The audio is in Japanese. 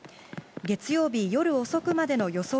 月曜日夜遅くまでの予想